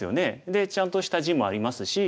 でちゃんとした地もありますし。